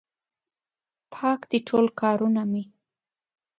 پاک دي ټول کارونه مې